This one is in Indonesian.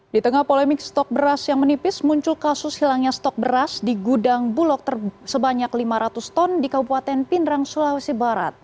di tengah polemik stok beras yang menipis muncul kasus hilangnya stok beras di gudang bulog sebanyak lima ratus ton di kabupaten pindrang sulawesi barat